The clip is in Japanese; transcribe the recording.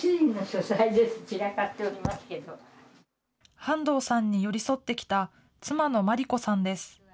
半藤さんに寄り添ってきた妻の末利子さんです。